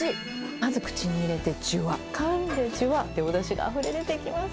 まず口に入れてじゅわ、かんでじゅわっておだしがあふれ出てきます。